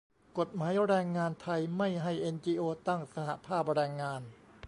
"กฎหมายแรงงานไทยไม่ให้เอ็นจีโอตั้งสหภาพแรงงาน"